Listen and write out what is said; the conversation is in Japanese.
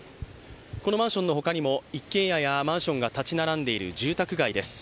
このマンションのほかにも一軒家やマンションが建ち並んでいる住宅街です。